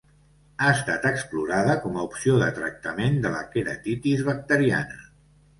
Ha estat explorada com a opció de tractament de la queratitis bacteriana.